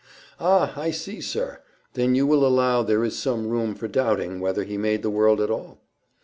"Ah! I see, sir. Then you will allow there is some room for doubting whether He made the world at all?"